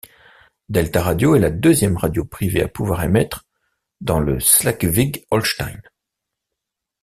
Delta radio est la deuxième radio privée à pouvoir émettre dans le Schleswig-Holstein.